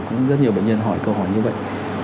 cũng rất nhiều bệnh nhân hỏi câu hỏi như vậy